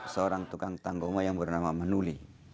seorang tukang tanggungan yang bernama manuli